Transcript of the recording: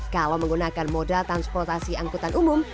kalau menggunakan moda transportasi angkutan umum